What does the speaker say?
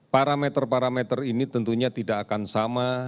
parameter parameter ini tentunya tidak akan sama